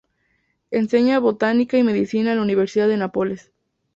Enseña Botánica y Medicina en la Universidad de Nápoles.